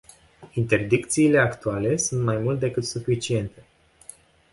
Interdicțiile actuale sunt mai mult decât suficiente.